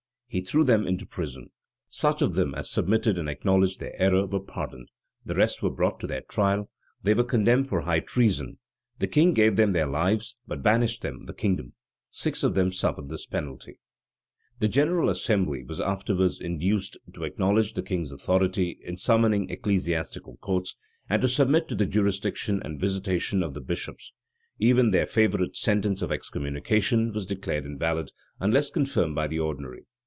He threw them into prison. Such of them as submitted, and acknowledged their error, were pardoned. The rest were brought to their trial. They were condemned for high treason. The king gave them their lives, but banished them the kingdom. Six of them suffered this penalty.[] The general assembly was afterwards induced[v] to acknowledge the king's authority in summoning ecclesiastical courts, and to submit to the jurisdiction and visitation of the bishops Even their favorite sentence of excommunication was declared invalid, unless confirmed by the ordinary.